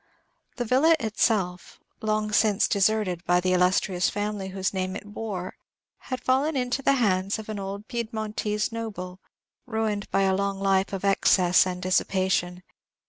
The villa itself, long since deserted by the illustrious family whose name it bore, had fallen into the hands of an old Pied montese noble, ruined by a long life of excess and dissipation.